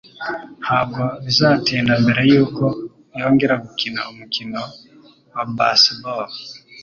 Ntabwo bizatinda mbere yuko yongera gukina umukino wa baseball.